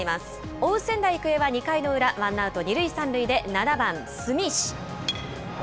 追う仙台育英は２回の裏、ワンアウト２塁３塁で７番住石。